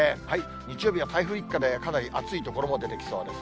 日曜日は台風一過で、かなり暑い所も出てきそうです。